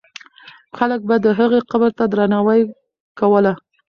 خلک به د هغې قبر ته درناوی کوله.